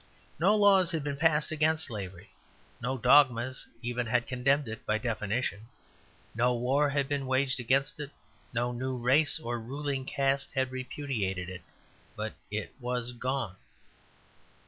No laws had been passed against slavery; no dogmas even had condemned it by definition; no war had been waged against it, no new race or ruling caste had repudiated it; but it was gone.